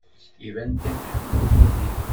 Iban kan tḥemmlem Yidir.